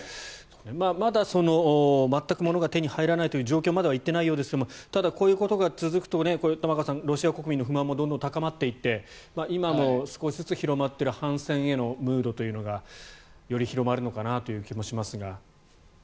まだ全く物が手に入らないという状況まではいっていないようですがただ、こういうことが続くと玉川さん、ロシア国民の不満もどんどん高まっていって今も少しずつ広まっている反戦へのムードというのがより広まるのかなという気もしますが。